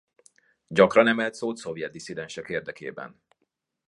Gyakran emelt szót szovjet disszidensek érdekében.